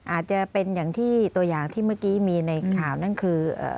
อาจจะเป็นอย่างที่ตัวอย่างที่เมื่อกี้มีในข่าวนั่นคือ